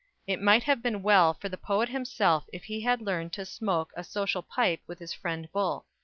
It might have been well for the poet himself if he had learned to smoke a social pipe with his friend Bull.